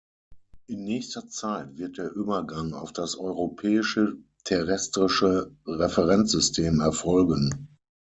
In nächster Zeit wird der Übergang auf das Europäische Terrestrische Referenzsystem erfolgen.